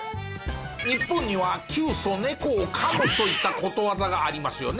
日本には「窮鼠猫を噛む」といったことわざがありますよね。